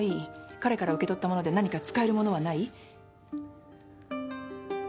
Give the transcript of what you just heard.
彼から受け取った物で何か使える物はない？